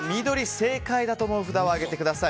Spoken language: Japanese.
正解だと思う札を上げてください。